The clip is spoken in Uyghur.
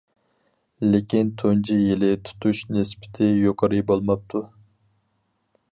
لېكىن تۇنجى يىلى تۇتۇش نىسبىتى يۇقىرى بولماپتۇ.